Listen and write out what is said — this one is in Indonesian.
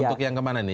untuk yang kemana nih